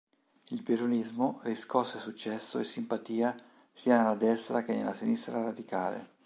Il Peronismo riscosse successo e simpatia sia nella destra che nella sinistra radicale.